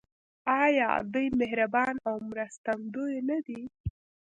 آیا دوی مهربان او مرستندوی نه دي؟